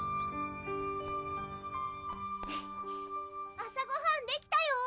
・朝ごはんできたよ！